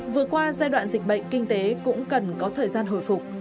vừa qua giai đoạn dịch bệnh kinh tế cũng cần có thời gian hồi phục